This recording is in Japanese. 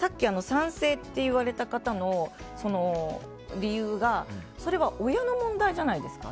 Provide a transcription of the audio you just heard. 賛成って言われた方の理由がそれは親の問題じゃないですか？